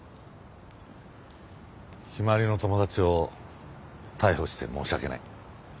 陽葵の友達を逮捕して申し訳ない。